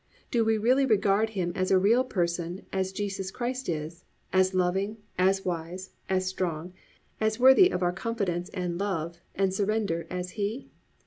Do we really regard Him as real a person as Jesus Christ is, as loving, as wise, as strong, as worthy of our confidence and love, and surrender as He?